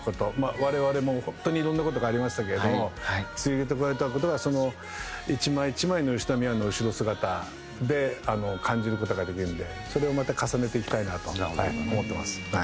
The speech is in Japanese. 我々も本当にいろんな事がありましたけれども続けてこられた事が１枚１枚の吉田美和の後ろ姿で感じる事ができるのでそれをまた重ねていきたいなと思ってます。